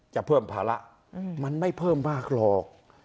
จะเพิ่มภาระมันไม่เพิ่มมากหรอก